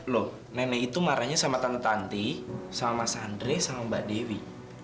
loh nenek itu marahnya sama tante sama mas andre sama mbak dewi